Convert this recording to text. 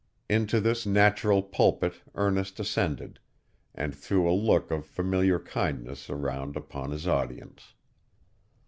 Into this natural pulpit Ernest ascended, and threw a look of familiar kindness around upon his audience.